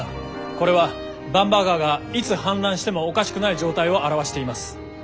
これは番場川がいつ氾濫してもおかしくない状態を表しています。